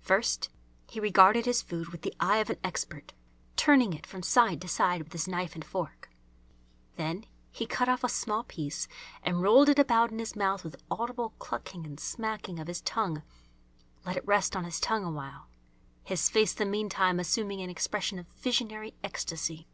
First he regarded his food with the eye of an expert, turning it from side to side with his knife and fork. Then he cut off a small piece and rolled it about in his mouth with audible clucking and smacking of his tongue, let it rest on his tongue awhile, his face the meantime assuming an expression of visionary ecstasy.